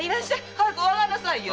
早くお上がんなさいよ。